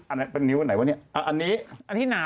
อันนี้อะอันนี้